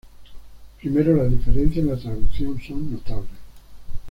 Primero, las diferencias en la traducción son notables.